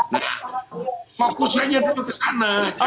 nah fokusnya dulu ke sana